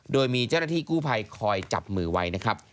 โดยมีเจ้านาที่กู้ไภคอยจับมือไว